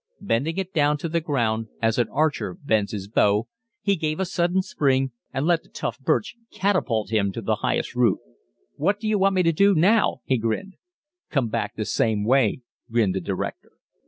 Bending it down to the ground, as an archer bends his bow, he gave a sudden spring, and let the tough birch catapult him to the highest root. "What do you want me to do now?" he grinned. "Come back the same way," grinned the director.